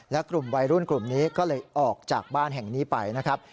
และกลุ่มวัยรุ่นกลุ่มนี้ก็เลยออกจากบ้านแห่งนี้ไปนะครับ